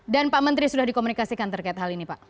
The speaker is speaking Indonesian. dan pak menteri sudah dikomunikasikan terkait hal ini pak